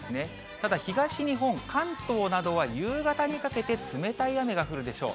ただ東日本、関東などは夕方にかけて冷たい雨が降るでしょう。